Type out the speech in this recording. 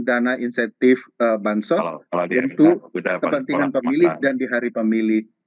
dana insentif bansos untuk kepentingan pemilih dan di hari pemilih